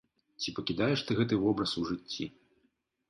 Ці пакідаеш ты гэты вобраз у жыцці?